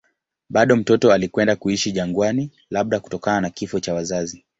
Bado mtoto alikwenda kuishi jangwani, labda kutokana na kifo cha wazazi.